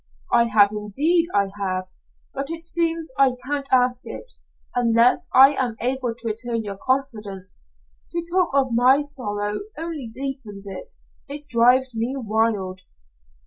"I have, indeed I have. But it seems I can't ask it unless I'm able to return your confidence. To talk of my sorrow only deepens it. It drives me wild."